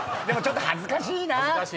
でもちょっと恥ずかしいな。